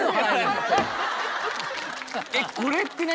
えっこれって何？